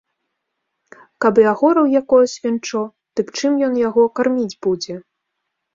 Каб і агораў якое свінчо, дык чым ён яго карміць будзе.